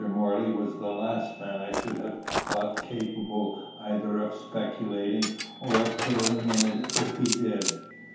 Morley was the last man I should have thought capable either of speculating, or of failing in it if he did.